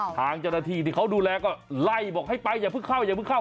ทางเจ้าหน้าที่ที่เขาดูแลก็ไล่บอกให้ไปอย่าเพิ่งเข้าอย่าเพิ่งเข้า